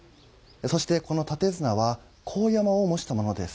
そしてこの立砂は神山を模したものです。